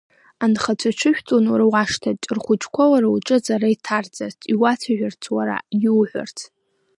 Анхацәа ҽыжәҵуан уара уашҭаҿ, рхәыҷқәа уара уҿы аҵара иҭарҵарц, иуацәажәарц уара, иуҳәарц.